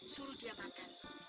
suruh dia makan